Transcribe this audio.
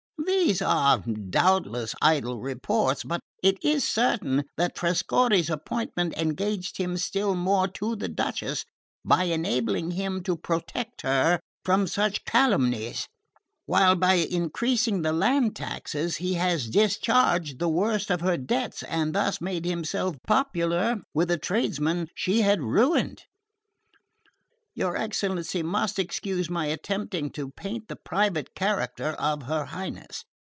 These are doubtless idle reports; but it is certain that Trescorre's appointment engaged him still more to the Duchess by enabling him to protect her from such calumnies; while by increasing the land taxes he has discharged the worst of her debts and thus made himself popular with the tradesmen she had ruined. Your excellency must excuse my attempting to paint the private character of her Highness.